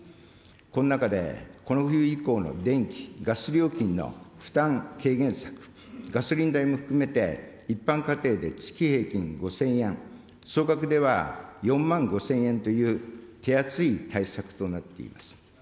この中で、この冬以降の電気・ガス料金の負担軽減策、ガソリン代も含めて一般家庭で月平均５０００円、総額では４万５０００円という、手厚い対策となっています。